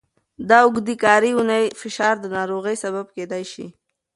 د اوږدې کاري اونۍ فشار د ناروغۍ سبب کېدای شي.